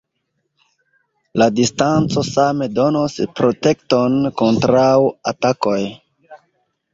La distanco same donos protekton kontraŭ atakoj.